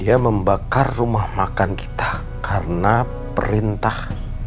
dia membakar rumah makan kita karena perintah